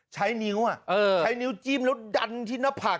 ใช้นิ้วใช้นิ้วจิ้มแล้วดันที่หน้าผาก